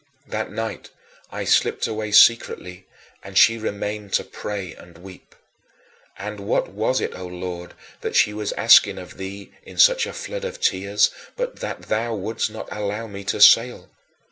That night I slipped away secretly, and she remained to pray and weep. And what was it, O Lord, that she was asking of thee in such a flood of tears but that thou wouldst not allow me to sail?